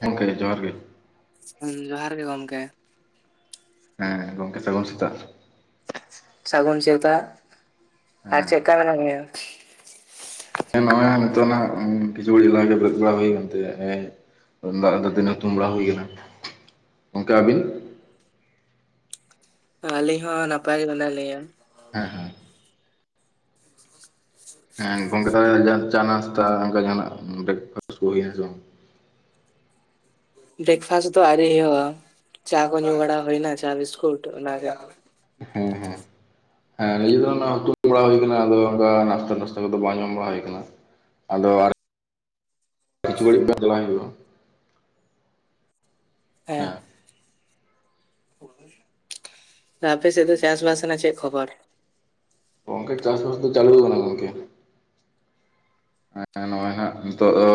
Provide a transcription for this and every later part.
ᱦᱮᱸ ᱜᱚᱢᱠᱮ ᱡᱚᱦᱟᱨ ᱜᱮ। ᱦᱮᱸ ᱡᱚᱦᱟᱨ ᱜᱮ ᱜᱚᱝᱠᱮ। ᱦᱮᱸ ᱜᱚᱝᱠᱮ ᱥᱟᱹᱜᱩᱱ ᱥᱮᱛᱟᱜ, ᱥᱟᱹᱜᱩᱱ ᱥᱮᱛᱟᱜ ᱟᱨ ᱪᱮᱫᱞᱮᱠᱟ ᱢᱮᱱᱟᱜ ᱢᱮᱭᱟ ᱦᱮᱸ ᱱᱚᱜ-ᱚᱭ ᱦᱟᱸᱜ ᱱᱤᱛᱚᱜ ᱦᱟᱸᱜ ᱠᱤᱪᱩ ᱜᱷᱟᱹᱲᱤ ᱞᱟᱦᱟ ᱜᱮ ᱵᱟᱹᱫ ᱵᱟᱲᱟ ᱦᱩᱭᱮᱛᱮ ᱦᱮᱸ ᱩᱱ ᱫᱟᱨᱟ ᱫᱚ ᱫᱟᱹᱛᱟᱹᱱᱤ ᱦᱩᱛᱩᱢ ᱵᱟᱰᱟ ᱦᱩᱭ ᱠᱟᱱᱟ, ᱜᱚᱝᱠᱮ ᱟᱵᱤᱱ ᱟᱹᱞᱤᱧ ᱦᱚᱸ ᱱᱟᱯᱟᱭ ᱜᱮ ᱢᱮᱱᱟᱜ ᱞᱤᱭᱟᱹ ᱦᱮᱸ ᱦᱮᱸ ᱦᱮᱸ ᱜᱚᱝᱠᱮ ᱛᱟᱦᱞᱮ ᱪᱟ ᱱᱟᱥᱛᱟ ᱚᱱᱠᱟ ᱡᱟᱸᱦᱟᱱᱟᱜ ᱵᱨᱮᱠᱯᱷᱟᱥᱴ ᱠᱚ ᱦᱩᱭᱱᱟ ᱥᱮ ᱵᱟᱝ? ᱵᱨᱮᱠᱯᱷᱟᱥᱴ ᱫᱚ ᱟᱣᱨᱤ ᱦᱩᱭᱩᱜ-ᱟ ᱪᱟ ᱠᱚ ᱧᱩ ᱵᱟᱲᱟ ᱦᱩᱭᱱᱟ ᱪᱟ ᱵᱤᱥᱠᱩᱴ ᱚᱱᱟᱜᱮ ᱦᱩᱸ ᱦᱩᱸ ᱦᱮᱸ ᱱᱤᱡᱮ ᱠᱚᱨᱮᱱᱟᱜ ᱦᱩᱛᱩᱢ ᱵᱟᱲᱟ ᱦᱩᱭ ᱠᱟᱱᱟ ᱟᱫᱚ ᱚᱱᱠᱟ ᱱᱟᱥᱛᱟ ᱯᱟᱥᱛᱟ ᱠᱩᱫᱚ ᱵᱟᱝ ᱡᱚᱢ ᱵᱟᱲᱟ ᱦᱩᱭ ᱠᱟᱱᱟ, ᱟᱫᱚ ᱟᱨ ᱠᱷᱤᱪᱩᱲᱤᱜ ᱫᱚ ᱟᱡᱚᱣᱟᱭ ᱦᱩᱭᱩᱜ-ᱟ ᱦᱮᱸ ᱦᱼᱳ-ᱭ ᱾ ᱟᱯᱮᱥᱮᱫ ᱫᱚ ᱪᱟᱥ ᱵᱟᱥ ᱨᱮᱱᱟᱜ ᱪᱮᱫ ᱠᱷᱚᱵᱚᱨ? ᱜᱚᱝᱠᱮ ᱪᱟᱥᱵᱟᱥ ᱫᱚ ᱪᱟᱞᱩᱣ ᱠᱟᱱᱟ ᱜᱚᱝᱠᱮ ᱱᱚᱜ-ᱚᱭ ᱦᱟᱸᱜ ᱱᱤᱛᱚᱜ ᱫᱚ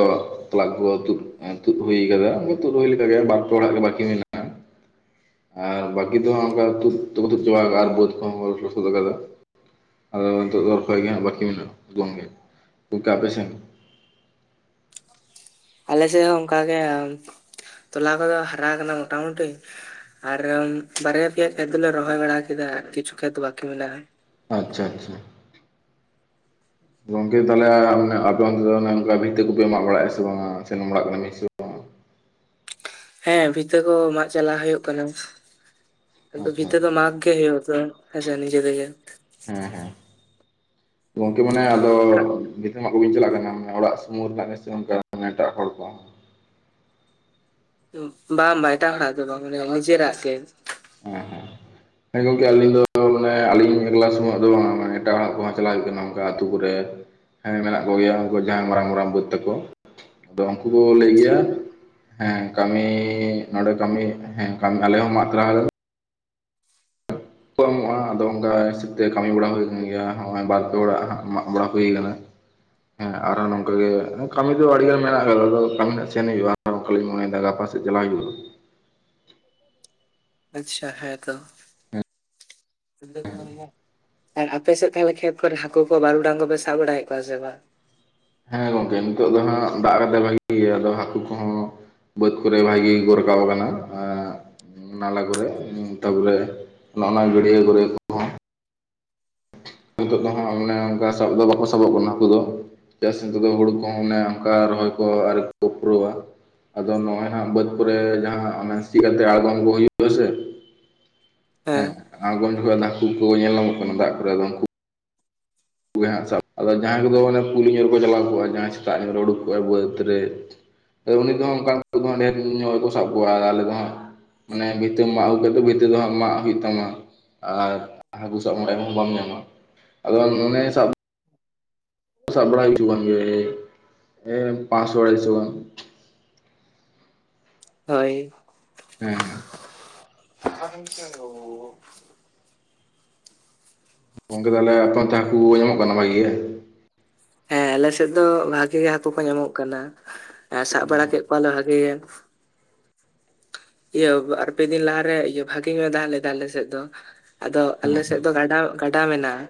ᱛᱚᱞᱟ ᱠᱚ ᱠᱚ ᱛᱩᱫ ᱛᱩᱫ ᱦᱩᱭ ᱟᱠᱟᱫᱟ ᱛᱩᱫ ᱦᱩᱭ ᱞᱮᱠᱟᱜᱮ ᱵᱟᱨ ᱯᱮ ᱦᱚᱲᱟᱜ ᱜᱮ ᱵᱟᱠᱤ ᱢᱮᱱᱟᱜ ᱟᱨ ᱵᱟᱠᱤ ᱫᱚ ᱦᱟᱸᱜ ᱚᱝᱠᱟ ᱛᱩᱫ ᱫᱚ ᱛᱩᱫ ᱪᱟᱵᱟ ᱟᱠᱟ ᱟ ᱟᱨ ᱵᱟᱹᱫ ᱠᱚᱦᱚᱸ ᱠᱚ ᱛᱩᱫ ᱟᱠᱟᱫᱟ ᱟᱫᱚ ᱱᱤᱛᱚᱜ ᱫᱚ ᱨᱚᱦᱚᱭ ᱜᱮ ᱦᱟᱸᱜ ᱵᱟᱠᱤ ᱢᱮᱱᱟᱜ-ᱟ ᱡᱳᱱ ᱜᱮ, ᱜᱚᱝᱠᱮ ᱟᱯᱮ ᱥᱮᱱ ᱦᱚᱸ ᱟᱞᱮ ᱥᱮᱫ ᱦᱚᱸ ᱚᱱᱠᱟᱜᱮ ᱛᱚᱞᱟ ᱠᱚᱫᱚ ᱦᱟᱨᱟ ᱟᱠᱟᱱᱟ ᱢᱩᱴᱟᱢᱩᱴᱤ ᱟᱨ ᱵᱟᱨᱭᱟ ᱯᱮᱭᱟ ᱠᱷᱮᱛ ᱫᱚᱞᱮ ᱨᱚᱦᱚᱭ ᱵᱟᱲᱟ ᱠᱮᱫᱟ ᱠᱤᱪᱷᱩ ᱠᱷᱮᱛ ᱵᱟᱠᱤ ᱢᱮᱱᱟᱜ-ᱟ ᱟᱪᱪᱷᱟ ᱟᱪᱪᱷᱟ ᱜᱚᱝᱠᱮ ᱛᱟᱦᱞᱮ ᱢᱟᱱᱮ ᱟᱯᱮ ᱚᱱᱛᱮ ᱫᱚ ᱚᱱᱮ ᱚᱱᱠᱟ ᱵᱷᱤᱛᱟᱹᱠᱩᱯᱮ ᱢᱟᱜ ᱵᱟᱲᱟᱭᱮᱫ ᱥᱮ ᱵᱟᱝ ᱟ ᱥᱮᱱ ᱵᱟᱲᱟᱜ ᱠᱟᱱᱟ ᱵᱮᱱ ᱥᱮ ᱵᱟᱝᱟ ᱦᱮᱸ ᱵᱷᱤᱛᱟᱹ ᱠᱚ ᱢᱟᱜ ᱪᱟᱞᱟ ᱦᱩᱭᱩᱜ ᱠᱟᱱᱟ ᱟᱫᱚ ᱟᱪᱪᱷᱟ ᱵᱷᱤᱛᱟᱹ ᱫᱚ ᱢᱟᱜᱽ ᱜᱮ ᱦᱩᱭᱩᱜ-ᱟ ᱛᱚ ᱦᱮᱸ ᱥᱮ ᱱᱤᱡᱮ ᱛᱮᱜᱮ ᱦᱮᱸ ᱦᱮᱸ ᱜᱚᱝᱠᱮ ᱢᱟᱱᱮ ᱟᱫᱚ ᱵᱷᱤᱛᱟᱹ ᱢᱟᱜ ᱠᱚ ᱵᱮᱱ ᱪᱟᱞᱟᱜ ᱠᱟᱱᱟ ᱚᱲᱟᱜ ᱥᱩᱢᱩᱝ ᱨᱮᱱᱟᱜ ᱜᱮᱥᱮ ᱚᱱᱠᱟ ᱮᱴᱟᱜ ᱦᱚᱲ ᱠᱚᱦᱚᱸ? ᱵᱟᱝ ᱵᱟᱝ ᱮᱴᱟᱜ ᱦᱚᱲᱟᱜ ᱫᱚ ᱵᱟᱝ ᱢᱟᱱᱮ ᱱᱤᱡᱮᱨᱟᱜ ᱜᱮ ᱦᱮᱸ ᱦᱮᱸ ᱦᱮᱸ ᱜᱚᱝᱠᱮ ᱟᱞᱤᱧ ᱫᱚ ᱢᱟᱱᱮ ᱟᱞᱤᱧ ᱮᱠᱞᱟ ᱥᱚᱢᱚᱭ ᱫᱚ ᱵᱟᱝ ᱢᱟᱱᱮ ᱮᱴᱟᱜ ᱦᱚᱲᱟᱜ ᱠᱩᱦᱚᱸ ᱪᱟᱞᱟᱜ ᱦᱩᱭᱩᱜ ᱠᱟᱱᱟ ᱚᱝᱠᱟ ᱟᱛᱩ ᱠᱚᱨᱮ ᱦᱮᱸ ᱢᱮᱱᱟᱜ ᱠᱚ ᱜᱮᱭᱟ ᱩᱝᱠᱩ ᱡᱟᱦᱟᱸᱭ ᱢᱟᱨᱟᱝ ᱢᱟᱨᱟᱝ ᱵᱟᱹᱫ ᱛᱟᱠᱚ ᱟᱫᱚ ᱩᱱᱠᱩ ᱠᱚ ᱞᱟᱹᱭ ᱜᱮᱭᱟ ᱟᱪᱪᱷᱟ ᱦᱮᱸ ᱠᱟᱢᱤ ᱱᱚᱸᱰᱮ ᱠᱟᱢᱤ ᱦᱮᱸ ᱟᱞᱮ ᱦᱚᱸ [unintelligible] ᱠᱚ ᱮᱢᱚᱜ-ᱟ ᱟᱫᱚ ᱚᱝᱠᱟ ᱦᱤᱥᱟᱹᱵᱽ ᱛᱮ ᱠᱟᱢᱤ ᱵᱟᱲᱟ ᱦᱩᱭ ᱠᱟᱱ ᱜᱮᱭᱟ ᱟᱨ ᱦᱚᱸᱜ-ᱚᱭ ᱵᱟᱨ ᱯᱮ ᱦᱚᱲᱟᱜ ᱢᱟᱜ ᱵᱟᱲᱟ ᱦᱩᱭᱩ ᱠᱟᱱᱟ᱾ ᱦᱮᱸ ᱟᱨᱦᱚ ᱱᱚᱝᱠᱟ ᱜᱮ ᱠᱟᱹᱢᱤ ᱫᱚ ᱟᱹᱰᱤᱜᱟᱱ ᱢᱮᱱᱟᱜ ᱟᱫᱚ ᱠᱟᱹᱢᱤ ᱦᱟᱸᱜ ᱥᱮᱱ ᱦᱩᱭᱩᱜ-ᱟ, ᱚᱝᱠᱟᱞᱤᱧ ᱢᱚᱱᱮᱭᱮᱫᱟ ᱜᱟᱯᱟ ᱥᱮᱡ ᱪᱟᱞᱟᱜ ᱦᱩᱭᱩᱜ-ᱟ ᱟᱪᱪᱷᱟ ᱦᱮᱸ ᱛᱚ [inaudible] ᱟᱨ ᱟᱯᱮᱥᱮᱫ ᱛᱟᱦᱞᱮ ᱠᱷᱮᱛ ᱠᱚᱨᱮ ᱦᱟᱠᱩ ᱠᱚ ᱵᱟᱨᱩᱰᱟᱝ ᱠᱚᱯᱮ ᱥᱟᱵ ᱵᱟᱲᱟᱭᱮᱫ ᱠᱚᱣᱟ ᱥᱮ ᱵᱟᱝ? ᱦᱮᱸ ᱜᱚᱝᱠᱮ ᱱᱤᱛᱚᱜ ᱫᱚ ᱦᱟᱸᱜ ᱫᱟᱜ ᱨᱮᱫᱚ ᱵᱷᱟᱜᱤ ᱜᱮᱭᱟ ᱟᱫᱚ ᱦᱟᱹᱠᱩ ᱠᱚᱦᱚᱸ ᱵᱟᱹᱫᱽ ᱠᱚᱨᱮ ᱵᱷᱟᱜᱤ ᱜᱮᱠᱚ ᱨᱟᱠᱟᱵ ᱟᱠᱟᱱᱟ ᱟᱨ ᱱᱟᱞᱟ ᱠᱚᱨᱮ ᱛᱟᱯᱚᱨᱮ ᱚᱱᱮ-ᱚᱱᱟ ᱜᱟᱹᱰᱭᱟᱹ ᱠᱚᱨᱮ ᱠᱚᱦᱚᱸ ᱱᱤᱛᱚᱜ ᱫᱚ ᱦᱟᱸᱜ ᱢᱟᱱᱮ ᱚᱱᱠᱟ ᱥᱟᱵ ᱫᱚ ᱵᱟᱠᱚ ᱥᱟᱵᱚᱜ ᱠᱟᱱᱟ ᱦᱟᱹᱠᱩ ᱫᱚ᱾ ᱮᱴᱟᱜ ᱥᱮᱱ ᱠᱚᱫᱚ ᱦᱩᱲᱩ ᱠᱚᱦᱚᱸ ᱢᱟᱱᱮ ᱚᱱᱠᱟ ᱨᱚᱦᱚᱭ ᱠᱚ ᱟᱹᱣᱨᱤ ᱠᱚ ᱯᱩᱨᱟᱹᱣᱟ᱾ ᱟᱫᱚ ᱱᱚᱜ-ᱚᱭ ᱦᱟᱸᱜ ᱵᱟᱹᱫ ᱠᱚᱨᱮ ᱡᱟᱦᱟᱸᱱᱟᱜ ᱚᱱᱮ ᱥᱤ ᱠᱟᱛᱮ ᱟᱲᱜᱚᱢ ᱟᱹᱜᱩ ᱦᱩᱭᱩᱜ ᱦᱳᱭ ᱥᱮ ᱦᱮᱸ ᱟᱬᱜᱚᱢ ᱡᱚᱠᱷᱚᱡ ᱦᱟᱹᱠᱩ ᱠᱚ ᱧᱮᱞ ᱧᱟᱢᱚᱜ ᱠᱟᱱᱟ ᱫᱟᱜ ᱠᱚᱨᱮ ᱟᱫᱚ ᱩᱝᱠᱩ, ᱦᱟᱸᱜ ᱥᱟᱵ ᱟᱫᱚ ᱡᱟᱦᱟᱸᱭ ᱠᱚᱫᱚ ᱚᱱᱮ ᱯᱤᱞᱤ ᱦᱟᱸᱜ [unintelligible] ᱥᱟᱵ ᱟᱫᱚ ᱡᱟᱦᱟᱸᱭ ᱠᱚᱫᱚ ᱚᱱᱮ ᱯᱩᱞᱤ ᱧᱮᱞ ᱠᱚ ᱪᱟᱞᱟᱣ ᱠᱚᱜ-ᱟ ᱡᱟᱦᱟᱸᱭ ᱥᱮᱛᱟᱜ ᱧᱚᱜ ᱨᱮ ᱩᱰᱩᱠ ᱠᱚᱜ-ᱟᱭ ᱵᱟᱹᱫ ᱨᱮ ᱩᱱᱤ ᱠᱚᱦᱚᱸ ᱚᱝᱠᱟ ᱫᱚ ᱦᱟᱸᱜ ᱰᱷᱮᱨᱧᱚᱜ‌‌ ᱜᱮᱠᱚ ᱥᱟᱵ ᱠᱚᱣᱟ ᱟᱨ ᱟᱞᱮ ᱫᱚ ᱦᱟᱸᱜ ᱢᱟᱱᱮ ᱵᱷᱤᱛᱟᱹᱢ ᱢᱟᱜ ᱟᱹᱜᱩ ᱠᱟᱛᱮᱫ ᱵᱷᱤᱛᱟᱹ ᱫᱚ ᱦᱟᱸᱜ ᱢᱟᱜ ᱦᱩᱭᱩᱜ ᱛᱟᱢᱟ ᱟᱨ ᱦᱟᱹᱠᱩ ᱥᱟᱵ ᱢᱚᱱᱮᱦᱚ ᱵᱟᱢ ᱧᱟᱢᱟ ᱟᱫᱚ ᱢᱚᱱᱮᱭ ᱥᱟᱵ ᱥᱟᱵ ᱵᱟᱲᱟᱭ ᱦᱩᱭᱩᱜ ᱠᱟᱱ ᱜᱮᱭᱟ ᱦᱮᱸ ᱯᱟᱥᱚ ᱫᱚ ᱟᱲᱟᱭ ᱥᱚ ᱜᱟᱱ ᱦᱳᱭ ᱦᱮᱸᱻ [unintelligible] ᱜᱚᱢᱠᱮ ᱛᱟᱦᱚᱞᱮ ᱟᱯᱮ [unintelligible] ᱠᱚ ᱧᱟᱢᱚᱜ ᱠᱟᱱᱟ ᱵᱷᱟᱜᱮ? ᱦᱮᱸ ᱟᱞᱮ ᱥᱮᱫ ᱫᱚ ᱵᱷᱟᱜᱤ ᱜᱮ ᱦᱟᱹᱠᱩ ᱠᱚ ᱧᱟᱢᱚᱜ ᱠᱟᱱᱟ, ᱥᱟᱵ ᱵᱟᱲᱟ ᱠᱮᱫ ᱠᱚᱣᱟᱞᱮ ᱵᱷᱟᱜᱤ ᱜᱮ᱾ ᱤᱭᱟᱹ ᱵᱟᱨ ᱯᱮ ᱫᱤᱱ ᱞᱟᱦᱟᱨᱮ ᱵᱷᱟᱜᱤ ᱜᱮ ᱫᱟᱜ ᱞᱮᱫᱟᱭ ᱟᱞᱮ ᱥᱮᱫ ᱫᱚ᱾ ᱟᱫᱚ ᱟᱞᱮ ᱥᱮᱫ ᱫᱚ ᱜᱟᱰᱟ, ᱜᱟᱰᱟ ᱢᱮᱱᱟᱜᱼᱟ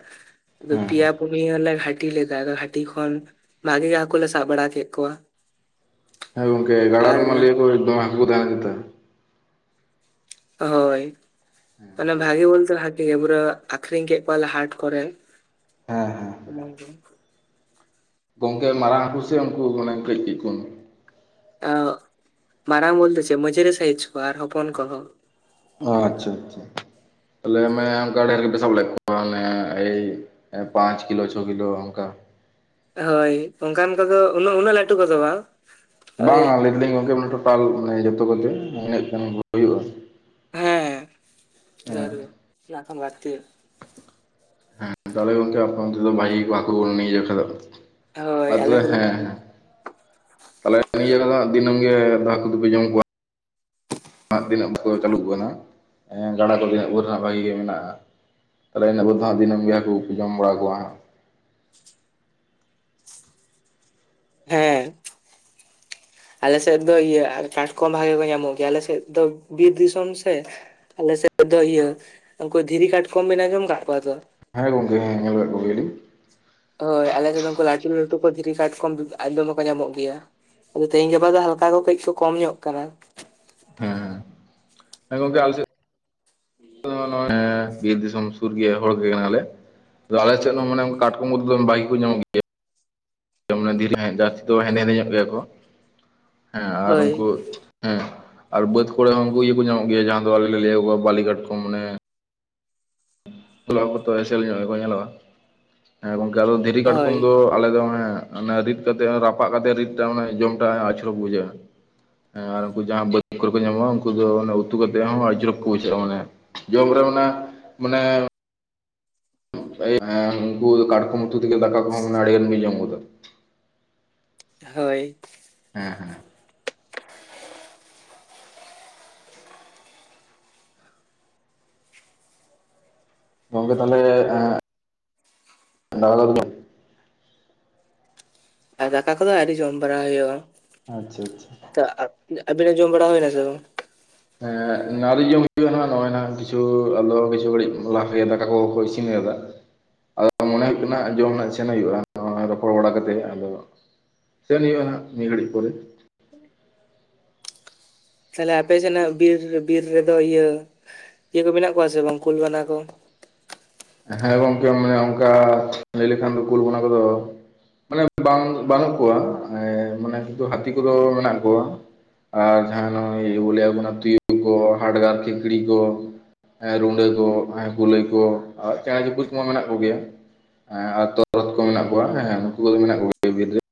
ᱟᱫᱚ ᱦᱮᱸ ᱯᱮᱭᱟ ᱯᱩᱱᱤᱭᱟᱹ ᱞᱮ ᱜᱷᱟᱴ ᱴᱤ ᱞᱮᱫᱟ ᱦᱟᱹᱴᱤ ᱞᱮ ᱫ ᱦᱟᱹᱴᱤ ᱠᱷᱚᱱ ᱵᱷᱟᱜᱤ ᱜᱮ ᱦᱟᱹᱠᱩᱩᱞᱮ ᱥᱟᱵ ᱵᱟᱲᱟ ᱠᱮᱫ ᱠᱚᱣᱟ᱾ ᱦᱮᱸ ᱜᱚᱝᱠᱮ ᱜᱟᱲᱟ ᱟᱨ ᱨᱮᱢᱟ ᱞᱤᱭᱟᱹᱠᱚ ᱫᱚᱢᱮ ᱦᱟᱹᱠᱩ ᱠᱚ ᱛᱟᱸᱦᱮ ᱠᱟᱱ ᱛᱟᱸᱦᱮ᱾ ᱦᱳᱭ, ᱛᱟᱦᱞᱮ ᱵᱷᱟᱜᱤ ᱵᱚᱞᱛᱮ ᱵᱟᱷᱜ ᱤᱭᱟ ᱯᱩᱨᱟᱹ ᱟᱠᱷᱨᱤᱧ ᱠᱮᱫ ᱠᱚᱣᱟ ᱞᱮ ᱦᱟᱴ ᱠᱚᱨᱮ᱾ ᱦᱮᱸ ᱦᱮᱸ᱾ ᱜᱚᱝᱠᱮ ᱢᱟᱨᱟᱝ ᱦᱟᱹᱠᱩ ᱥᱮ ᱩᱱᱠᱩ ᱢᱟᱱᱮ ᱠᱟᱹᱡ ᱠᱟᱹᱡ ᱠᱚ? ᱟᱸᱜ ᱢᱟᱨᱟᱝ ᱵᱚᱞᱛᱮ ᱪᱮᱫ ᱢᱟᱺᱡᱷᱟᱹᱨᱤ ᱥᱟᱭᱤᱡ ᱠᱚ ᱟᱨ ᱦᱚᱯᱚᱱ ᱠᱚᱦᱚᱸ, ᱚ ᱟᱪᱪᱷᱟ ᱟᱪᱪᱷᱟ ᱛᱟᱦᱚᱞᱮ ᱢᱟ ᱟᱰᱤ ᱫᱷᱮᱨ ᱯᱮ ᱥᱟᱵ ᱞᱮᱫ ᱠᱟᱣᱟ ᱢᱟᱱᱮ ᱯᱟᱸᱪ ᱠᱤᱞ ᱪᱷᱚ ᱠᱤᱞ ᱚᱱᱠᱟ, ᱦᱳᱭ ᱚᱱᱠᱟᱱ ᱠᱟᱫᱚ ᱩᱱᱟᱹᱜ ᱩᱱᱟᱹᱜ ᱞᱟᱹᱴᱩ ᱠᱚᱫᱚ ᱵᱟᱝ, ᱵᱟᱝᱟ ᱳᱭ ᱞᱟᱹᱭ ᱫᱟᱞᱤᱧ ᱜᱚᱝᱠᱮ ᱴᱳᱴᱟᱞ ᱢᱟᱱᱮ ᱡᱚᱛᱚ ᱠᱚᱛᱮ ᱤᱱᱟᱜ ᱜᱟᱱ ᱵᱷᱩᱜᱟᱜ ᱦᱩᱭᱩᱜᱼᱟ ᱦᱮᱸ ᱫᱷᱟᱹᱨᱜᱮ ᱦᱚᱞᱟ ᱠᱷᱮᱱ ᱵᱟᱲᱛᱤᱭᱟ᱾ ᱦᱮᱸ ᱛᱟᱦᱚᱞᱮ ᱜᱚᱢᱚᱝᱠᱮ ᱟᱯ ᱫᱚ ᱵᱷᱟᱭ ᱠᱚᱠᱩ ᱜ ᱡᱠᱷᱷᱟ ᱫᱚ᱾ ᱦᱳᱭ ᱢᱟ ᱟᱞᱮ ᱛᱚᱵᱮ ᱥᱮᱫ ᱫᱚ ᱦᱮᱸ ᱵᱷᱟᱹᱜᱤ ᱦᱮᱸ᱾ ᱛᱟᱦᱚᱞᱮ ᱱᱤᱭᱟᱹ ᱫᱤᱱᱟᱹᱢ ᱜᱮ ᱫᱟᱜ ᱠᱚᱫᱚᱯᱮ ᱡᱚᱢ ᱠᱚᱣᱟ᱾ ᱟᱢᱟᱜ ᱛᱤᱱᱟᱹᱜ [unintelligible] ᱪᱟᱹᱞᱩᱜ ᱠᱟᱱᱟ ᱜᱟᱰᱟ ᱠᱚ ᱛᱤᱱᱟᱹᱜ ᱵᱷᱳᱨ ᱨᱮᱱᱟᱜ ᱵᱷᱟᱜᱤ ᱜᱮ ᱢᱮᱱᱟᱜᱼᱟ ᱛᱟᱦᱚᱞᱮᱱᱟᱹᱵ ᱫᱚᱟ ᱫᱤᱱᱟᱢ ᱜᱮ ᱦᱟᱹᱠᱩ ᱠᱚᱯᱮ ᱡᱚᱢ ᱵᱟᱲᱟ ᱠᱚᱣᱟ ᱦᱟᱸᱜ᱾ ᱦᱮᱸ᱾ [inaudible] ᱟᱞᱮ ᱥᱮᱫ ᱫᱚ ᱤᱭᱟᱹ ᱠᱟᱴᱠᱚᱢ ᱵᱷᱟᱜᱮ ᱠᱚ ᱧᱟᱢᱚᱜ ᱜᱮᱭᱟ, ᱟᱞᱮ ᱥᱮᱫ ᱫᱚ ᱵᱤᱨ ᱫᱤᱥᱚᱢ ᱥᱮ ᱟᱞᱮ ᱥᱮᱫ ᱫᱚ ᱤᱭᱟᱹ ᱩᱱᱠᱩ ᱫᱷᱤᱨᱤ ᱠᱟᱴᱠᱢ ᱵᱤᱱ ᱟᱡᱚᱢ ᱟᱠᱟᱫ ᱠᱚᱣᱟ ᱛᱚ? ᱦᱮᱸ ᱜᱚᱢᱠᱮ ᱦᱮᱸ ᱧᱮᱞ ᱠᱟᱫ ᱠᱚᱜᱮᱭᱟᱞᱤᱧ᱾ ᱦᱳᱭ ᱟᱞᱮ ᱥᱮᱫ ᱩᱱᱠᱩ ᱞᱟᱹᱴᱩ ᱞᱟᱹᱴᱩ ᱠᱚ ᱫᱷᱤᱨᱤ ᱠᱟᱴ ᱠᱚᱚᱢ ᱟᱫᱚᱢ ᱠᱚ ᱧᱟᱢᱚᱜ ᱜᱮᱭᱟ᱾ ᱟᱫᱚ ᱛᱮᱦᱤᱧ ᱜᱟᱯᱟ ᱫᱚ ᱦᱟᱞᱠᱟ ᱠᱚ ᱠᱟᱹᱡ ᱠᱚ ᱠᱚᱢ ᱧᱚᱜ ᱠᱟᱱᱟ᱾ ᱦᱮᱸ, ᱦᱮᱸ ᱜᱚᱢᱠᱮ ᱦᱳᱭ ᱟᱞᱮ ᱥᱮᱫ ᱟᱞᱮ ᱱᱚᱜᱼᱚᱭ ᱵᱤᱨ ᱫᱤᱥᱚᱢ ᱥᱩᱨ ᱜᱮ ᱦᱚᱲ ᱜᱮ ᱠᱟᱱᱟᱞᱮ᱾ ᱟᱫᱚ ᱟᱞᱮ ᱥᱮᱫ ᱦᱚᱸ ᱢᱟᱱᱮ ᱠᱟᱴᱠᱚᱢᱚᱫᱚᱛ ᱫᱚ ᱵᱷᱟᱜᱤ ᱠᱚ ᱧᱟᱢᱚᱜ ᱜᱮᱭᱟ᱾ ᱫᱷᱤᱨ ᱡᱟᱹᱥᱛᱤ ᱫᱚ ᱦᱮᱸᱫᱮ ᱦᱮᱸᱫᱮ ᱧᱚᱜ ᱜᱮᱭᱟ ᱠᱚ, ᱦᱮᱸ ᱟᱨ ᱦᱳᱭ ᱩᱱᱠᱩ ᱦᱮᱸ ᱟᱨ ᱵᱟᱹᱫᱽ ᱠᱚᱨᱮ ᱦᱚᱸ ᱩᱱᱠᱩ ᱤᱭᱟᱹ ᱠᱚ ᱧᱟᱢᱚᱜ ᱜᱮᱭᱟ, ᱡᱟᱦᱟᱸ ᱫᱚ ᱟᱞᱮ ᱞᱮ ᱞᱟᱹᱭᱟᱣᱟ ᱵᱟᱞᱤᱜᱷᱟᱴ ᱠᱚ ᱢᱟᱱᱮ [unintelligible] ᱮᱥᱮᱞ ᱧᱚᱜ ᱜᱮᱠᱚ ᱧᱮᱞᱚᱜᱼᱟ ᱦᱮᱸ ᱜᱚᱝᱠᱮ ᱟᱫᱚ ᱫᱷᱤᱨᱤ ᱠᱟᱴᱠᱚᱢ ᱦᱳᱭ ᱫᱚ ᱟᱞᱮᱫ ᱫᱚ ᱚᱱᱮ ᱨᱤᱫ ᱠᱟᱛᱮ, ᱨᱟᱯᱟᱜ ᱠᱟᱛᱮ, ᱨᱤᱫᱴᱟᱜ ᱮ ᱡᱚᱢᱴᱟᱜ ᱟᱪᱩᱨᱚᱠ ᱵᱩᱡᱷᱟᱜ-ᱟ᱾ ᱦᱮᱸ ᱟᱨ ᱩᱱᱠᱩ ᱡᱟᱦᱟᱸ ᱵᱟᱹᱫ ᱠᱚᱨᱮ ᱠᱚ ᱧᱟᱢᱚᱜᱼᱟ ᱩᱱᱠᱩ ᱫᱚ ᱩᱛᱩ ᱠᱚ ᱦᱚᱸ ᱟᱹᱰᱤ ᱪᱚᱨᱚᱠ ᱠᱚ ᱵᱡᱷᱟᱹᱜᱼᱟ ᱢᱟᱱᱮ᱾ [unintelligible] ᱢᱟᱱᱮ [unintelligible] ᱩᱱᱠᱩ ᱠᱟᱴᱠᱚᱢ ᱩᱛᱩ ᱛᱮ ᱦᱚᱸ ᱫᱟᱠᱟ ᱠᱚᱦᱚᱸ ᱟᱰᱤᱜᱟᱱ ᱵᱤᱱ ᱡᱚᱢ ᱜᱚᱫᱟ᱾ ᱦᱳᱭ᱾ ᱦᱮᱸ, ᱦᱮᱸ᱾ ᱜᱚᱢᱠᱮ ᱛᱟᱦᱚᱞᱮ ᱮᱸ [unintelligible] ᱟᱨ ᱫᱟᱠᱟ ᱠᱚᱫᱚ ᱟᱹᱰᱤ ᱡᱚᱢ ᱵᱟᱲᱟ ᱦᱩᱭᱩᱜᱼᱟ᱾ ᱟᱪᱪᱷᱟ ᱟᱪᱪᱷᱟ ᱟᱵᱤᱱᱟᱜ ᱡᱚᱢ ᱵᱟᱲᱟ ᱦᱩᱭᱱᱟ ᱥᱮ ᱵᱟᱝ? ᱦᱮᱸ ᱚᱱᱟᱤ ᱡᱚᱢ ᱦᱩᱭᱩᱜᱼᱟ ᱦᱚᱸ ᱱᱚᱜᱼᱚᱭ ᱱᱟ ᱠᱤᱪᱷᱩ ᱟᱫᱚ ᱠᱤᱪᱷᱩ ᱜᱷᱟᱹᱲᱤᱡ ᱞᱟᱦᱭᱟ ᱫᱟᱠᱟ ᱠᱚᱠᱚ ᱤᱥᱤᱱ ᱠᱟᱫᱟ᱾ ᱟᱫᱚ ᱢᱚᱱᱮ ᱦᱩᱭᱩᱜ ᱠᱟᱱᱟ ᱡᱚᱢ ᱨᱮᱱᱟᱜ ᱥᱮᱱ ᱦᱩᱭᱩᱜᱼᱟ, ᱨᱚᱯᱚᱲ ᱵᱟᱲᱟ ᱠᱟᱛᱮᱜ ᱟᱫᱚ ᱥᱮᱱ ᱦᱩᱭᱩᱜᱼᱟ ᱦᱟᱸᱜ ᱱᱤᱭᱟᱹ ᱜᱷᱟᱹᱲᱤᱡ ᱯᱚᱨᱮ ᱛᱟᱦᱚᱞᱮ ᱟᱯᱮ ᱥᱮᱱᱟᱜ ᱵᱤᱨ ᱵᱤᱨ ᱨᱮᱫᱚ ᱤᱭᱟᱹ ᱤᱭᱟᱹ ᱠᱚ ᱢᱮᱱᱟᱜ ᱠᱚᱣᱟ ᱥᱮ ᱵᱟᱝ ᱠᱩᱞ ᱵᱟᱱᱟ ᱠᱚ? ᱦᱮᱸ ᱜᱚᱝᱠᱮ ᱢᱟᱱᱮ ᱚᱱᱠᱟ ᱞᱟᱹᱭ ᱞᱮᱠᱷᱟᱱ ᱫᱚ ᱠᱩᱞ ᱵᱟᱱᱟ ᱠᱚᱫᱚ ᱢᱟᱱᱮ ᱵᱟᱝ ᱵᱟᱹᱱᱩᱜ ᱠᱚᱣᱟ, ᱢᱟᱱᱮ ᱦᱟᱹᱛᱤ ᱠᱚᱫᱚ ᱢᱮᱱᱟᱜ ᱠᱚᱣᱟ᱾ ᱟᱨ ᱡᱟᱦᱟᱸ ᱱᱚᱜᱼᱚᱭ ᱵᱚᱞᱮ ᱟᱵᱚᱱᱟᱜ ᱛᱩᱭᱩ ᱠᱚ, ᱦᱟᱴᱜᱟᱨ ᱠᱷᱤᱠᱲᱤ ᱠᱚ, ᱮᱸᱻ ᱨᱩᱸᱰᱟ. ᱠᱚ ᱟᱨ ᱠᱩᱞᱟᱹᱭ ᱠᱚ ᱟᱨ ᱪᱮᱸᱬᱮ ᱪᱤᱯᱩᱫ ᱠᱚᱢᱟ ᱢᱮᱱᱟᱜ ᱠᱚᱜᱮᱭᱟ, ᱦᱮᱸ ᱟᱨ ᱛᱚᱨᱦᱚᱫ ᱠᱚ ᱢᱮᱱᱟᱜ ᱠᱚᱣᱟ, ᱦᱮᱸ ᱱᱩᱠᱩ ᱠᱚᱫᱚ ᱢᱮᱱᱟᱜ ᱠᱚᱜᱮᱭᱟ ᱵᱤᱨ ᱨᱮ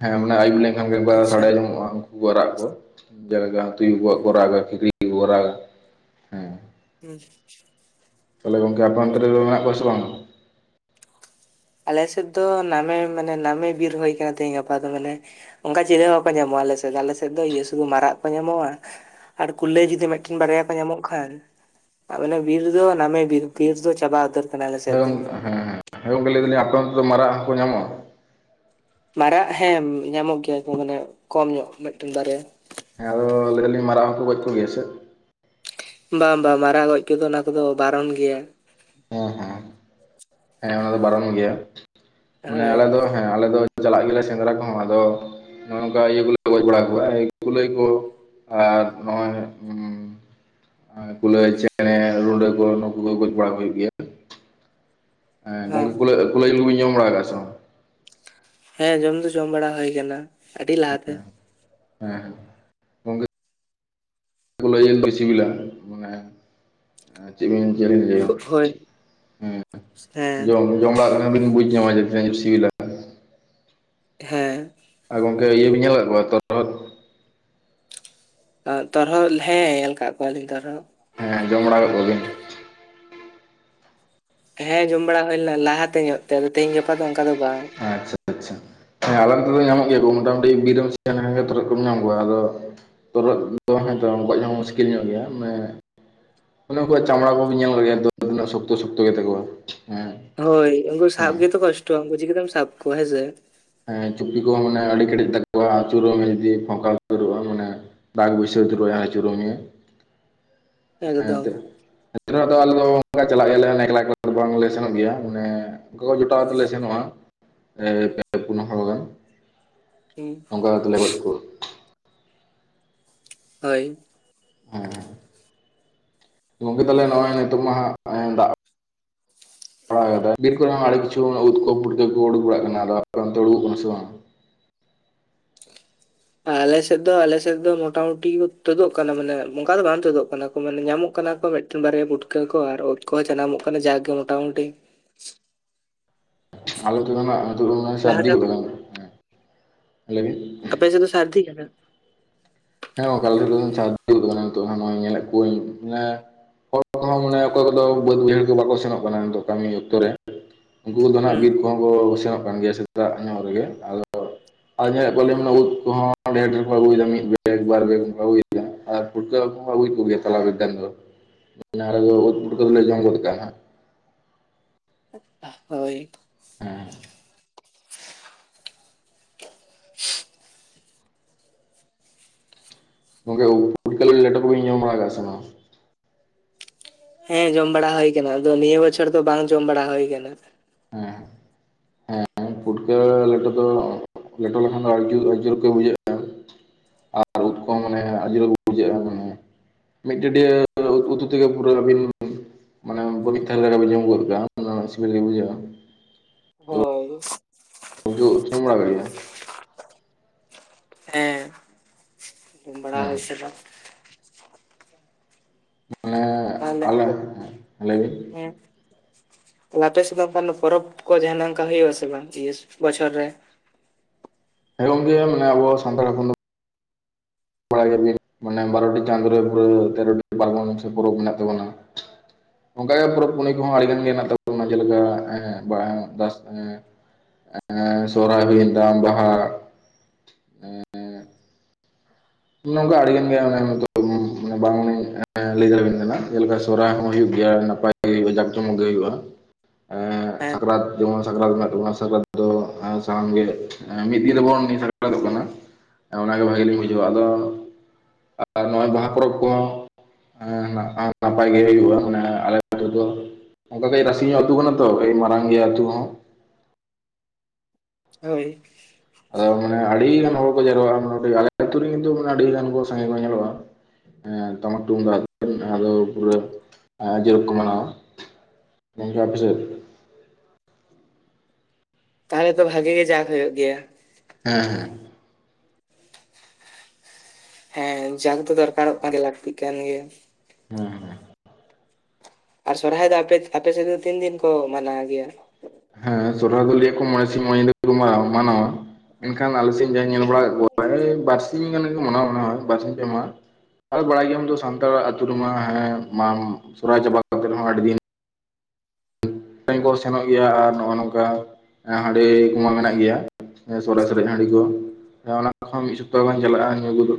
ᱦᱮᱸ ᱢᱟᱱᱮ ᱟᱭᱩᱵ ᱞᱮᱱᱠᱷᱟᱱ ᱜᱮ ᱵᱟ ᱟᱪᱪᱷᱟ ᱥᱟᱲᱟᱭ ᱟᱡᱚᱢᱚᱜᱼᱟ ᱢᱟᱨᱟᱜ ᱠᱚ, ᱡᱟᱭᱜᱟ ᱛᱩᱭᱩ ᱠᱚᱣᱟᱜ ᱠᱚ ᱨᱟᱜᱟ, ᱠᱷᱤᱠᱲᱤ ᱠᱚ ᱨᱟᱜᱟ ᱦᱮᱸ [unintelligible] ᱛᱟᱦᱚᱞᱮ ᱜᱚᱢᱠᱮ ᱟᱯᱮ ᱚᱱᱛᱮ ᱨᱮ ᱫᱚ ᱢᱮᱱᱟᱜ ᱠᱚᱣᱟ ᱥᱮ ᱵᱟᱝ? ᱟᱞᱮ ᱥᱮᱫ ᱫᱚ ᱱᱟᱢᱮ ᱢᱟᱱᱮ ᱱᱟᱢᱮ ᱵᱤᱨ ᱦᱩᱭ ᱠᱟᱱᱟ ᱛᱮᱦᱤᱧ ᱜᱟᱯᱟ ᱫᱚ ᱢᱟᱱᱮ ᱚᱱᱠᱟ ᱪᱤᱞᱤ ᱦᱚᱸᱠᱚ ᱧᱟᱢᱚᱜᱼᱟ᱾ ᱟᱞᱮ ᱥᱮᱫ ᱫᱚ ᱟᱞᱮ ᱥᱮᱫ ᱫᱚ ᱤᱭᱟᱹ ᱥᱩᱫᱷᱩ ᱢᱟᱨᱟᱜ ᱠᱚ ᱧᱟᱢᱚᱜᱼᱟ᱾ ᱟᱨ ᱠᱩᱞᱟᱹᱭ ᱡᱩᱫᱤ ᱢᱤᱫᱴᱮᱱ ᱵᱟᱨᱭᱟ ᱠᱚ ᱧᱟᱢᱚᱜ ᱠᱷᱟᱱ ᱟᱵᱮᱱᱮ ᱵᱤᱨ ᱫᱚ ᱱᱟᱢᱮ ᱵᱤᱨ ᱵᱤᱨ ᱫᱚ ᱪᱟᱵᱟ ᱩᱛᱟᱹᱨ ᱠᱟᱱᱟ ᱟᱞᱮ ᱦᱮᱸ ᱥᱮᱫ ᱫᱚ ᱜᱚᱝᱠᱮ, ᱦᱮᱸ ᱜᱚᱝᱠᱮ ᱞᱟᱹᱭ ᱫᱟᱹᱞᱤᱧ ᱟᱯᱮ ᱚᱱᱛᱮ ᱫᱚ ᱢᱟᱨᱟᱜ ᱦᱚᱸᱠᱚ ᱧᱟᱢᱚᱜᱼᱟ ᱢᱟᱨᱟᱜ ᱦᱮᱸ, ᱧᱟᱢᱚᱜ ᱜᱮᱭᱟ ᱠᱚ ᱾ᱢᱟᱱᱮ ᱠᱚᱢ ᱧᱚᱜ ᱢᱤᱫᱴᱮᱱ ᱵᱟᱨᱭᱟ ᱦᱮᱸ ᱟᱫᱚ ᱞᱟᱹᱭ ᱟᱹᱞᱤᱧ ᱢᱟᱨᱟᱜ ᱦᱚᱸᱠᱚ ᱜᱚᱡᱽ ᱠᱚᱜᱮᱭᱟ ᱥᱮ ᱵᱟᱝ ᱵᱟᱝ ᱢᱟᱨᱟᱜ ᱜᱚᱡ ᱠᱚᱫᱚ ᱚᱱᱟ ᱠᱚᱫᱚ ᱵᱟᱨᱚᱱ ᱜᱮᱭᱟ᱾ ᱦᱮᱸ ᱦᱮᱸ ᱦᱮᱸ ᱚᱱᱟ ᱫᱚ ᱵᱟᱨᱚᱱ ᱜᱮᱭᱟ ᱢᱟᱱᱮ ᱟᱞᱮ ᱦᱳᱭ ᱫᱚ ᱟᱞᱮ ᱫᱚ ᱪᱟᱞᱟᱜ ᱜᱮᱞᱮ ᱥᱮᱸᱫᱽᱨᱟ ᱠᱚᱦᱚᱸ ᱟᱫᱚ ᱱᱚᱜᱼ ᱱᱚᱝᱠᱟ ᱤᱭᱟᱹ ᱠᱚᱞᱮ ᱜᱚᱡ ᱵᱟᱲᱟ ᱠᱚᱣᱟ ᱜᱩᱞᱟᱹᱭ ᱠᱚ ᱟᱨ ᱱᱚᱜᱼᱚᱭ ᱟ ᱠᱩᱞᱟᱹᱭ ᱪᱮᱸᱬᱮ ᱨᱩᱰᱟᱹ ᱠᱚ ᱱᱩᱠᱩ ᱠᱚ ᱜᱚᱡᱽ ᱵᱟᱲᱟ ᱦᱳᱭᱳᱜ ᱜᱮᱭᱟ᱾ ᱦᱮᱸ ᱜᱚᱝᱠᱮ ᱠᱩᱞᱟᱹᱭ, ᱠᱩᱞᱟᱹᱭ ᱡᱤᱞ ᱡᱚᱢ ᱵᱟᱲᱟ ᱟᱜ ᱥᱮ ᱵᱟᱝ? ᱦᱮᱸ ᱡᱚᱢ ᱫᱚ ᱡᱚᱢ ᱵᱟᱲᱟ ᱦᱩᱭ ᱟᱠᱟᱱᱟ᱾ ᱟᱹᱰᱤ ᱞᱟᱦᱟᱛᱮ ᱦᱮᱸ ᱜᱚᱝᱠᱮ ᱠᱩᱞᱟᱹᱭ ᱡᱤᱞ ᱜᱮ ᱥᱤᱵᱤᱞᱟ ᱢᱟᱱᱮ ᱪᱮᱫ ᱵᱤᱱ ᱞᱟᱹᱭᱟ ᱦᱳᱭ ᱦᱮᱸ ᱦᱮᱸ ᱡᱚᱢ ᱧᱩ ᱡᱚᱢ ᱵᱟᱲᱟᱜ ᱠᱟᱱ ᱵᱤᱱ ᱵᱩᱡᱽ ᱧᱟᱢᱟ ᱡᱮ ᱛᱤᱱᱟᱹᱜ [inaudible] ᱥᱤᱵᱤᱞᱟ᱾ ᱦᱮᱸ ᱟᱨ ᱜᱚᱝᱠᱮ ᱤᱭᱟᱹᱵᱮᱱ ᱧᱮᱞ ᱟᱠᱟᱫ ᱠᱚᱣᱟ ᱛᱚᱨᱦᱚᱫ ᱛᱚᱨᱦᱚᱫ ᱦᱮᱸ ᱧᱮᱞ ᱟᱠᱟᱫ ᱠᱚᱣᱟᱞᱤᱧ ᱛᱚᱨᱦᱚᱜ ᱦᱮᱸ, ᱡᱚᱢ ᱵᱟᱲᱟ [inaudible] ᱦᱮᱸ ᱡᱚᱢ ᱵᱟᱲᱟ ᱦᱩᱭ ᱞᱮᱱᱟ, ᱞᱟᱦᱟᱛᱮ ᱧᱚᱜ ᱛᱮ ᱟᱫᱚ ᱛᱮᱦᱤᱧ ᱜᱟᱯᱟ ᱫᱚ ᱚᱱᱠᱟ ᱫᱚ ᱵᱟᱝ ᱟᱪᱪᱷᱟ ᱟᱪᱪᱷᱟ ᱦᱮᱸ ᱟᱞᱮ ᱚᱱᱛᱮ ᱫᱚ ᱧᱟᱢᱚᱜ ᱜᱮᱭᱟ ᱠᱚ, ᱢᱚᱴᱟᱢᱩᱴᱤ ᱵᱤᱨ ᱨᱮ ᱥᱮᱱ ᱞᱮᱠᱷᱟᱱ ᱜᱮ ᱛᱚᱨᱦᱚᱫ ᱮᱢ ᱧᱟᱢ ᱠᱚᱣᱟ ᱟᱫᱚ ᱛᱚᱨᱦᱚᱫ ᱜᱚᱡᱽ ᱦᱚᱸ ᱢᱩᱥᱠᱤᱞ ᱧᱚᱜ ᱜᱮᱭᱟ ᱢᱟᱱᱮ ᱚᱱᱮ ᱩᱱᱠᱩ ᱪᱟᱢᱲᱟ ᱠᱚ ᱧᱮᱞ ᱜᱮᱭᱟᱛ ᱛᱤᱱᱟᱹᱜ ᱥᱚᱠᱛᱚ ᱥᱚᱠᱛᱚ ᱜᱮᱛᱟ ᱠᱚᱣᱟ᱾ ᱦᱮᱸ ᱦᱳᱭ ᱩᱱᱠᱩ ᱦᱮᱸ ᱥᱟᱵ ᱜᱮᱛᱚ ᱠᱚᱥᱴᱚᱭᱟ᱾ ᱩᱱᱠᱩ ᱪᱤᱠᱟᱹᱛᱮᱢ ᱥᱟᱵ ᱠᱚᱣᱟ ᱦᱮᱸᱥᱮ ᱦᱮᱸ ᱪᱩᱯᱤ ᱠᱚᱦᱚᱸ ᱢᱟᱱᱮ ᱟᱹᱰᱤ ᱠᱮᱴᱮᱡ ᱛᱟᱠᱚᱣᱟ ᱟᱹᱪᱩᱨᱚᱜ ᱡᱩᱫᱤ ᱯᱷᱟᱠᱟ ᱩᱛᱟᱹᱨᱚᱜᱼᱟ ᱢᱟᱱᱮ ᱵᱟᱜ ᱵᱤᱥᱚᱭ ᱛᱮ ᱠᱚ ᱟᱹᱪᱩᱨᱚᱜ ᱢᱮ᱾ᱦᱮᱸ ᱮᱠᱫᱚᱢ ᱮᱱᱛᱮ ᱫᱚ ᱟᱞᱮ ᱫᱚ ᱚᱱᱠᱟ ᱪᱟᱞᱟᱜ ᱜᱮᱭᱟ ᱞᱮ ᱮᱠᱞᱟ ᱮᱠᱞᱟ ᱫᱚ ᱵᱟᱝᱞᱮ ᱥᱮᱱᱚᱜ ᱜᱮᱭᱟ ᱢᱟᱱᱮ ᱜᱚᱜ ᱡᱚᱴᱟᱣ ᱠᱟᱛᱮᱞᱮ ᱥᱮᱱᱚᱜᱼᱟ᱾ ᱯᱮ ᱯᱩᱱ ᱦᱚᱲ ᱜᱟᱱ [unintelligible] ᱚᱱᱠᱟ ᱛᱮᱞᱮ ᱜᱚᱡ ᱠᱚ ᱦᱳᱭ ᱦᱮᱸ ᱜᱚᱝᱠᱮ ᱛᱟᱦᱚᱞᱮ ᱱᱚᱜᱼᱚᱭ ᱱᱤᱛᱚᱜ ᱢᱟ ᱦᱟᱸᱜ ᱫᱟᱜ ᱵᱤᱨ ᱠᱚᱨᱮ ᱦᱚᱸ ᱟᱹᱰᱤ ᱠᱤᱪᱷᱩ ᱩᱫ ᱠᱚ ᱯᱩᱴᱠᱟᱹ ᱠᱚ ᱩᱰᱩᱠ ᱵᱟᱲᱟᱜ ᱠᱟᱱᱟ ᱾ᱟᱫᱚ ᱟᱯᱮ ᱚᱱᱛᱮ ᱩᱰᱩᱠᱚᱜ ᱠᱟᱱᱟ ᱥᱮ ᱵᱟᱝ? ᱟᱞᱮ ᱥᱮᱫ ᱫᱚ, ᱟᱞᱮ ᱥᱮᱫ ᱫᱚ ᱢᱚᱴᱟ ᱢᱩᱴᱤ ᱛᱩᱫᱚᱜ ᱠᱟᱱᱟ, ᱢᱟᱱᱮ ᱚᱱᱠᱟ ᱫᱚ ᱵᱟᱝ ᱛᱩᱫᱚᱜ ᱠᱟᱱᱟ, ᱢᱟᱱᱮ ᱧᱟᱢᱚᱜ ᱠᱟᱱᱟ ᱠᱚ ᱢᱤᱫᱴᱟᱝ ᱵᱟᱨᱭᱟ ᱯᱩᱴᱠᱟᱹ ᱠᱚ ᱟᱨ ᱳᱫ ᱠᱚᱦᱚᱸ ᱡᱟᱱᱟᱢᱚᱜ ᱡᱟᱠᱜᱮ ᱢᱚᱴᱟᱢᱩᱴᱤ ᱟᱞᱮ ᱱᱚᱛᱮ ᱱᱟᱜ ᱱᱤᱛᱚᱜ ᱱᱚᱜ-ᱚᱭ ᱥᱟᱨᱫᱤ ᱞᱟᱦᱟᱛᱮ ᱜᱚᱫ ᱠᱟᱱᱟ ᱦᱮᱸ ᱞᱟᱹᱭ ᱵᱤᱱ ᱟᱯᱮ ᱥᱮᱱ ᱫᱚ ᱥᱟᱨᱫᱤ ᱠᱟᱱᱟ? ᱦᱮᱸ ᱜᱚᱝᱠᱮ ᱟᱞᱮ ᱪᱟᱬᱚ ᱠᱟᱱᱟ ᱛᱚ ᱧᱮᱯ ᱮᱫ ᱠᱚᱣᱟᱸᱧ ᱦᱚᱲ ᱠᱚᱦᱚᱸ ᱢᱟᱱᱮ ᱚᱠᱚᱭ ᱠᱚᱫᱚ ᱵᱟᱹᱫᱽ ᱵᱟᱹᱭᱦᱟᱹᱲ ᱠᱚ ᱵᱟᱠᱚ ᱥᱮᱱᱚᱜ ᱠᱟᱱᱟ ᱱᱤᱛᱚᱜ ᱠᱟᱹᱢᱤ ᱚᱠᱛᱚ ᱨᱮ ᱾ ᱩᱱᱠᱩ ᱫᱚ ᱱᱟᱜ ᱦᱩᱸ ᱵᱤᱨ ᱠᱚᱦᱚᱸ ᱠᱚ ᱥᱮᱱᱚᱜ ᱠᱟᱱ ᱜᱮᱭᱟ ᱥᱮᱛᱟᱜ ᱧᱚᱜ ᱨᱮᱜᱮ ᱟᱫᱚ ᱟᱨ ᱧᱮᱞᱮᱫ ᱠᱚᱣᱟ ᱩᱫ ᱠᱚᱦᱚᱸ ᱰᱷᱮᱨ ᱰᱷᱮᱨ ᱠᱚ ᱟᱹᱜᱩᱭ ᱫᱟ ᱢᱤᱫ ᱵᱮᱜᱽ᱾ ᱢᱤᱫ ᱵᱟᱨ ᱫᱤᱱ ᱦᱩᱭᱱᱟ ᱟᱨ ᱯᱩᱴᱠᱟᱹ ᱠᱚᱦᱚᱸ ᱠᱚ ᱟᱹᱜᱩᱭᱮᱫ ᱜᱮᱭᱟ ᱛᱟᱞᱟ ᱵᱮᱜᱽ ᱜᱟᱱ ᱫᱚ᱾ ᱡᱟᱦᱟᱸ ᱨᱮᱫᱚ ᱩᱫ ᱯᱩᱴᱠᱟᱹ ᱞᱮ ᱡᱚᱢ ᱜᱚᱫ ᱠᱟᱜᱼᱟ ᱦᱟᱸᱜ᱾ ᱦᱳᱭ ᱾ ᱦᱮᱸ ᱾ [inaudible] ᱜᱚᱝᱠᱮ ᱩᱫ ᱯᱩᱴᱠᱟᱹ ᱞᱮᱴᱳ ᱠᱚᱵᱮᱱ ᱡᱚᱢ ᱵᱟᱲᱟ ᱠᱟᱜ ᱥᱮ ᱵᱟᱝ? ᱦᱮᱸ ᱡᱚᱢ ᱵᱟᱲᱟ ᱦᱩᱭ ᱠᱟᱱᱟ ᱟᱫᱚ ᱱᱤᱭᱟᱹ ᱵᱚᱪᱷᱚᱨ ᱫᱚ ᱵᱟᱝ ᱡᱚᱢ ᱵᱟᱲᱟ ᱦᱩᱭᱩ ᱠᱟᱱᱟ᱾ ᱦᱮᱸ ᱾ ᱦᱮᱸ ᱯᱷᱩᱴᱠᱟᱹ ᱞᱮᱴᱚ ᱫᱚ ᱞᱮᱴᱚ ᱞᱮᱠᱷᱟᱱ ᱫᱚ ᱟᱹᱰᱤ ᱡᱳᱛ ᱟᱹᱰᱤ ᱡᱳᱛ ᱜᱮ ᱵᱩᱡᱷᱟᱹᱜᱼᱟ ᱾ ᱩᱫ ᱠᱚ ᱢᱟᱱᱮ ᱟᱹᱰᱤ ᱡᱩᱛ ᱵᱩᱡᱟᱹᱜᱼᱟ ᱢᱟᱱᱮ ᱢᱤᱫ ᱴᱟᱹᱴᱭᱟᱹ ᱩᱛᱩ ᱛᱮ ᱜᱮ ᱯᱩᱨᱟᱹ ᱟᱹᱵᱤᱱ ᱢᱟᱱᱮ ᱯᱚᱨᱤᱠᱷᱟ ᱠᱚᱨᱮ ᱞᱮ ᱡᱚᱢ ᱜᱚᱫ ᱜᱮᱭᱟ, ᱟᱫᱚ ᱥᱤᱵᱤᱞ ᱜᱮ ᱵᱩᱡᱷᱟᱹᱜᱼᱟ ᱾ ᱟᱹᱲᱤᱥ ᱩᱛᱩ ᱤᱥᱤᱱ ᱵᱟᱲᱟ ᱦᱩᱭᱮᱱᱟ ᱦᱮᱸ᱾ ᱡᱚᱢ ᱵᱟᱲᱟ ᱦᱩᱭ ᱦᱮᱸ ᱥᱮ ᱵᱟᱝ ᱢᱟᱱᱮ ᱛᱟᱦᱚᱞᱮ ᱟᱞᱮ ᱟᱯᱮ ᱟᱞᱮ ᱦᱮᱸ ᱾ ᱛᱟᱦᱚᱞᱮ ᱟᱯᱮ ᱥᱮᱫ ᱚᱱᱠᱟᱱ ᱯᱚᱨᱚᱵᱽ ᱠᱚ ᱡᱟᱦᱟᱸ ᱚᱝᱠᱟ ᱦᱩᱭᱩᱜᱼᱟ ᱥᱮ ᱵᱟᱝ ᱤᱭᱟᱹᱥ ᱵᱚᱪᱷᱚᱨ ᱨᱮ ᱦᱮᱸ ᱜᱚᱝᱠᱮ ᱢᱟᱱᱮ ᱟᱵᱚ ᱥᱟᱱᱛᱟᱲ ᱦᱚᱯᱚᱱ ᱫᱚ ᱯᱟᱦᱤᱞ ᱜᱮ ᱢᱟᱱᱮ ᱵᱟᱨᱚᱴᱤ ᱪᱟᱸᱫᱳ ᱨᱮ ᱯᱩᱨᱟᱹ ᱛᱮᱨᱚᱴᱤ ᱯᱟᱨᱵᱚᱱ ᱥᱮ ᱯᱚᱨᱚᱵ ᱢᱮᱱᱟᱜ ᱛᱟᱵᱚᱱᱟ ᱾ ᱚᱱᱠᱟ ᱜᱮ ᱯᱚᱨᱚᱵᱽ ᱯᱩᱱᱟᱹᱭ ᱠᱚᱦᱚᱸ ᱟᱹᱰᱤ ᱜᱟᱱ ᱜᱮ ᱢᱮᱱᱟᱜ ᱛᱟᱵᱚᱱᱟ ᱡᱮ ᱞᱮᱠᱟ ᱦᱮᱸ ᱵᱟᱝ ᱦᱮᱸ ᱥᱚᱦᱚᱨᱟᱭ ᱦᱩᱭᱮᱱ ᱛᱟᱭᱚᱢ ᱵᱟᱦᱟ ᱾ ᱱᱝᱠᱟ ᱟᱹᱰᱤ ᱜᱟᱱ ᱜᱮ ᱢᱟᱱᱮ ᱫᱚᱦᱚ ᱟᱜᱩ ᱵᱟᱝ ᱞᱟᱹᱭ ᱫᱟᱲᱮ ᱟᱵᱮᱱ ᱠᱟᱱᱟ ᱡᱮ ᱞᱮᱠᱟ ᱥᱚᱦᱚᱨᱟᱭ ᱦᱚᱸ ᱦᱩᱭᱩᱜ ᱜᱮᱭᱟ ᱱᱟᱯᱟᱭ ᱜᱮ ᱦᱩᱭᱩᱜᱼᱟ ᱡᱟᱠ ᱡᱚᱢᱚᱠ ᱜᱮ ᱦᱩᱭᱩᱜᱼᱟ ᱾ ᱮᱸᱜ ᱦᱮᱸ ᱥᱟᱠᱨᱟᱛ ᱡᱮᱢᱚᱱ ᱥᱟᱠᱨᱟᱛ ᱢᱮᱱᱟᱜ ᱛᱟᱵᱚᱱᱟ ᱥᱟᱠᱨᱟᱛ ᱫᱚ ᱥᱟᱱᱟᱢ ᱜᱮ ᱢᱤᱫ ᱜᱮ ᱛᱟᱵᱚᱱ ᱢᱤᱫ ᱥᱟᱠᱨᱟᱛ ᱠᱟᱱᱟ ᱾ ᱚᱱᱟ ᱜᱮ ᱵᱷᱟᱜᱤ ᱞᱤᱧ ᱵᱩᱡᱷᱟᱹᱣᱟ ᱟᱫᱚ ᱟᱨ ᱱᱚᱣᱟ ᱵᱟᱦᱟ ᱯᱚᱨᱚᱵᱽ ᱠᱚᱦᱚᱸ ᱦᱮᱸ ᱱᱟᱯᱟᱭ ᱜᱮ ᱦᱩᱭᱩᱜᱼᱟ ᱢᱟᱱᱮ ᱟᱞᱮ ᱟᱛᱩ ᱫᱚ ᱚᱝᱠᱟ ᱠᱟᱹᱡᱽ ᱨᱟᱹᱥᱤ ᱧᱚᱜ ᱟᱹᱛᱩ ᱠᱟᱱᱟ ᱛᱚ ᱠᱟᱹᱡᱽ ᱢᱟᱨᱟᱝ ᱜᱮᱭᱟ ᱟᱹᱛᱩ ᱦᱚᱸ ᱾ ᱦᱳᱭ ᱾ ᱟᱫᱚ ᱢᱟᱱᱮ ᱟᱹᱰᱤ ᱜᱟᱱ ᱦᱚᱲ ᱠᱚ ᱡᱟᱨᱣᱟᱜ-ᱟ ᱟᱞᱮ ᱟᱹᱛᱩ ᱨᱮ ᱠᱤᱱᱛᱩ ᱢᱟᱱᱮ ᱟᱹᱰᱤ ᱜᱟᱱ ᱠᱚ ᱥᱟᱸᱜᱮ ᱠᱚ ᱧᱮᱞᱚᱜᱼᱟ ᱾ ᱦᱮᱸᱴᱟᱢᱟᱠ ᱛᱩᱢᱫᱟ ᱟᱫᱚ ᱯᱩᱨᱟᱹ ᱡᱳᱨ ᱠᱚ ᱢᱟᱱᱟᱣᱟ᱾ ᱜᱚᱢᱠᱮ ᱟᱯᱮ ᱥᱮᱫ ᱛᱟᱦᱚᱞᱮ ᱛᱚ ᱵᱷᱟᱜᱮ ᱜᱮ ᱡᱟᱸᱠ ᱦᱩᱭᱩᱜ ᱜᱮᱭᱟ ᱾ ᱦᱮᱸ ᱦᱮᱸ᱾ ᱦᱮᱸ ᱡᱟᱸᱠ ᱫᱚ ᱫᱚᱨᱠᱟᱨᱚᱜ ᱠᱟᱱ ᱜᱮ ᱞᱟᱹᱠᱛᱤᱜ ᱠᱟᱱ ᱜᱮ ᱾ ᱦᱩᱸ ᱦᱩᱸ ᱟᱨ ᱥᱚᱨᱦᱟᱭ ᱫᱚ ᱟᱯᱮ ᱥᱮᱫ ᱫᱚ ᱛᱤᱱ ᱫᱤᱱ ᱠᱚ ᱢᱟᱱᱟᱣ ᱜᱮᱭᱟ? ᱦᱮᱸ ᱥᱚᱦᱚᱨᱟᱭ ᱫᱚ ᱞᱤᱭᱟᱹ ᱠᱚ ᱢᱚᱬᱮᱸ ᱥᱤᱝ ᱢᱚᱬᱮᱸ ᱧᱤᱫᱟᱹ ᱠᱚ ᱢᱟᱱᱟᱣᱟ ᱾ ᱢᱮᱱ ᱠᱷᱟᱱ ᱟᱞᱮ ᱥᱮᱫ ᱡᱟᱦᱟᱸᱭ ᱧᱮᱞ ᱵᱟᱲᱟ ᱠᱟᱫ ᱠᱚᱣᱟ ᱵᱟᱨᱥᱤᱧ ᱜᱟᱱ ᱜᱮ ᱠᱚ ᱢᱟᱱᱟᱣᱟ ᱵᱟᱨ ᱥᱤᱧ ᱯᱮ ᱢᱟᱦᱟ ᱾ ᱟᱫᱚ ᱵᱟᱲᱟᱭᱜᱮᱭᱟᱢ ᱫᱚ ᱥᱟᱱᱛᱟᱲᱟ ᱟᱹᱛᱩ ᱨᱮᱢᱟ ᱦᱮᱸ ᱢᱟ ᱥᱚᱨᱚᱦᱟᱭ ᱪᱟᱵᱟ ᱠᱟᱛᱮ ᱦᱚᱸ ᱟᱹᱰᱤ ᱫᱤᱱ ᱦᱮᱸ ᱠᱚ ᱥᱮᱱᱚᱜ ᱜᱮᱭᱟ ᱟᱨ ᱱᱚᱜᱼᱚ ᱱᱚᱝᱠᱟ ᱦᱟᱺᱰᱤ ᱠᱚᱢᱟ ᱢᱮᱱᱟᱜ ᱜᱮᱭᱟ᱾ ᱦᱮᱸ ᱥᱚᱨᱟ ᱥᱚᱨᱤ ᱦᱟᱺᱰᱤ ᱠᱚ ᱚᱱᱟ ᱠᱚᱦᱚᱸ ᱢᱤᱫ ᱥᱚᱯᱛᱟᱦᱚ ᱜᱟᱱ ᱪᱟᱞᱟᱜᱼᱟ ᱧᱩ ᱠᱚᱫᱚ,